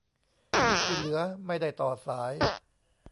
ที่เหลือไม่ได้ต่อสาย